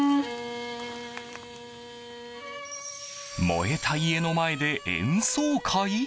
燃えた家の前で演奏会？